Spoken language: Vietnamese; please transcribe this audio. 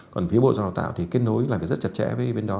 còn phía bộ giáo dục và đào tạo thì kết nối làm việc rất chặt chẽ với bên đó